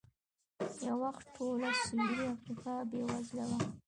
یو وخت ټوله سوېلي افریقا بېوزله وه.